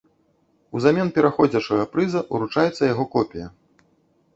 Узамен пераходзячага прыза ўручаецца яго копія.